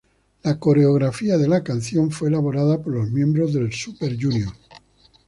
La coreografía de la canción fue elaborada por los miembros de Super Junior.